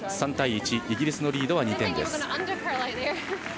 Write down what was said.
３対１、イギリスのリードは２点。